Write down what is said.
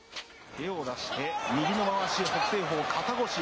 手を出して、右のまわしを北青鵬肩越し。